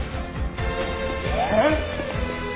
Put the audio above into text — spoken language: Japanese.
えっ！？